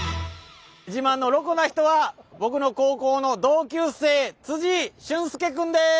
自慢のロコな人は僕の高校の同級生俊輔君です！